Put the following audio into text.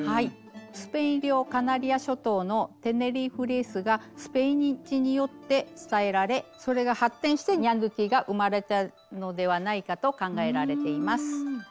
スペイン領カナリア諸島の「テネリーフレース」がスペイン人によって伝えられそれが発展してニャンドゥティが生まれたのではないかと考えられています。